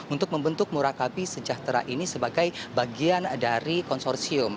untuk membentuk murakabi sejahtera ini sebagai bagian dari konsorsium